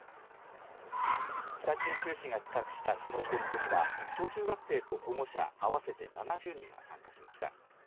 北九州市が企画したこのイベントには小中学生と保護者合わせて７０人が参加しました。